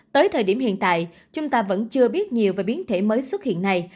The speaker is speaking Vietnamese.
tới thời điểm hiện tại chúng ta vẫn chưa biết nhiều về biến thể mới xuất hiện này